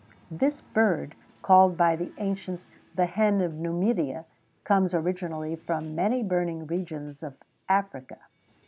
This bird, called by the ancients the "Hen of Numidia," comes originally from many burning regions of Africa.